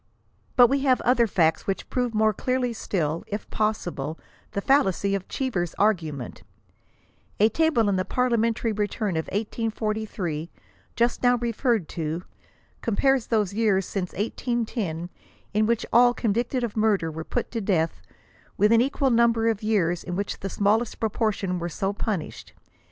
But we have other facts which prove more clearly still, if possi ble, the fallacy of Cheever's argument, A table in the Parliamen tary return of 1843, just now referred to, compares those years since 1810 in which all convicted of murder were put to death, with an equal niimber of years in which the smallest proportion were so punished.